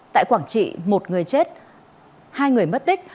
tại quảng trị một người chết hai người mất tích